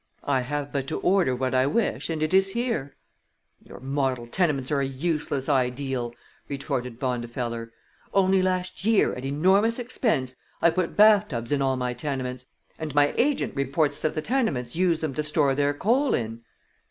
I have but to order what I wish, and it is here." "Your model tenements are a useless ideal," retorted Bondifeller. "Only last year, at enormous expense, I put bath tubs in all my tenements, and my agent reports that the tenants use them to store their coal in."